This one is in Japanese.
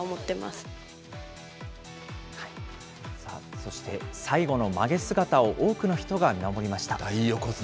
そして最後のまげ姿を多くの人が見守りました。